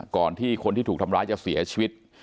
ก่อนที่คนที่ถูกทำร้ายจะเสียชีวิต